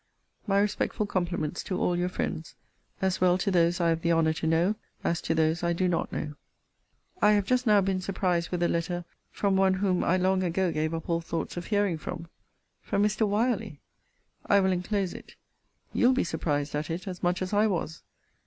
My respectful compliments to all your friends, as well to those I have the honour to know, as to those I do not know. I have just now been surprised with a letter from one whom I long ago gave up all thoughts of hearing from. From Mr. Wyerley. I will enclose it. You'll be surprised at it as much as I was.